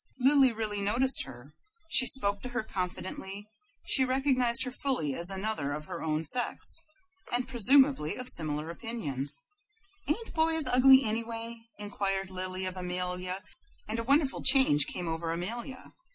Lily really noticed her. She spoke to her confidentially; she recognized her fully as another of her own sex, and presumably of similar opinions. "Ain't boys ugly, anyway?" inquired Lily of Amelia, and a wonderful change came over Amelia.